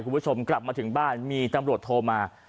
คุณผู้ชมกลับมาถึงบ้านมีตำรวจโทรมา